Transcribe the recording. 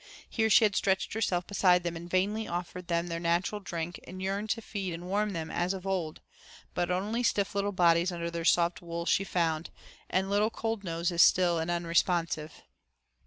Here she had stretched herself beside them and vainly offered them their natural drink and yearned to feed and warm them as of old, but only stiff little bodies under their soft wool she found, and little cold noses still and unresponsive.